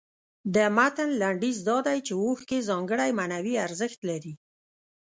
د متن لنډیز دا دی چې اوښکې ځانګړی معنوي ارزښت لري.